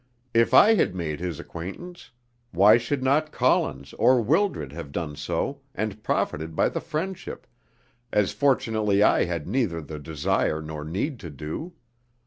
If I had made his acquaintance, why should not Collins or Wildred have done so and profited by the friendship, as fortunately I had neither the desire nor need to do?